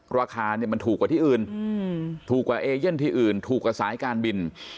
ราคาเนี่ยมันถูกกว่าที่อื่นถูกกว่าเอเย่นที่อื่นถูกกว่าสายการบิน